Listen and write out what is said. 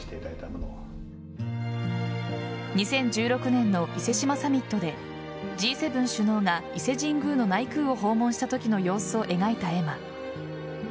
２０１６年の伊勢志摩サミットでＧ７首脳が伊勢神宮の内宮を訪問したときの様子を描いた絵馬。